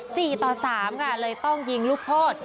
สี่ต่อสามค่ะเลยต้องยิงลูกโทษ